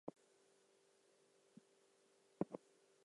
Tommy, in tears, agrees, and the two men embrace.